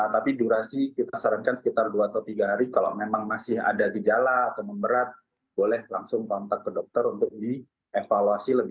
tapi durasi kita sarankan sekitar dua atau tiga hari kalau memang masih ada gejala atau memberat boleh langsung kontak ke dokter untuk dievaluasi lebih